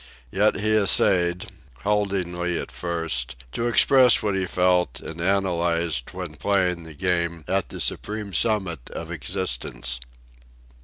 Yet he essayed, and haltingly at first, to express what he felt and analyzed when playing the Game at the supreme summit of existence.